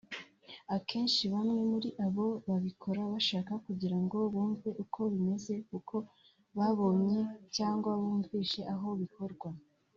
Akenshi bamwe muri abo babikora bashaka kugira ngo bumve uko bimeze kuko babonye cyangwa bumvise aho bikorwa